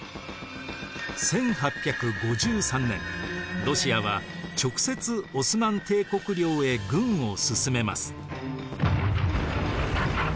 １８５３年ロシアは直接オスマン帝国領へ軍を進めます。